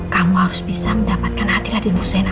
kamu harus bisa mendapatkan hati raden fusena